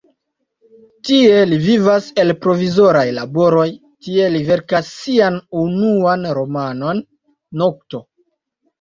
Tie li vivas el provizoraj laboroj, tie li verkas sian unuan romanon "Nokto".